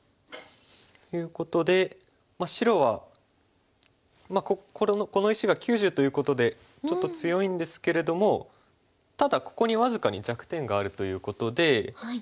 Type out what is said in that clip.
いうことで白はこの石が９０ということでちょっと強いんですけれどもただここに僅かに弱点があるということで。